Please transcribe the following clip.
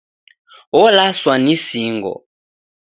Olaswa ni singo.